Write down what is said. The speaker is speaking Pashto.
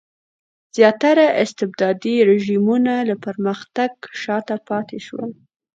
زیاتره استبدادي رژیمونه له پرمختګ شاته پاتې شول.